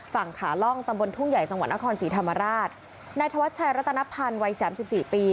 ฝั่งขาล่องตำบลทุ่งใหญ่จังหวัดนครศรีธรรมราชนายธวัชชัยรัตนพันธ์วัยสามสิบสี่ปี